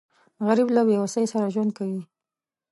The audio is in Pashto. غریب له بېوسۍ سره ژوند کوي